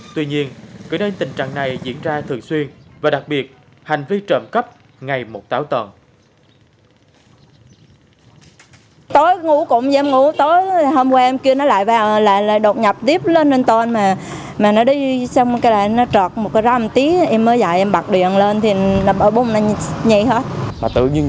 tuy nhiên cứ đến tình trạng này diễn ra thường xuyên và đặc biệt hành vi trộm cấp ngay một táo tợn